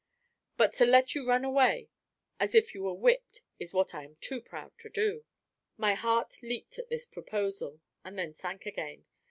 But to let you run away as if you were whipped, is what I am too proud to do." My heart leaped at this proposal, and then sank again.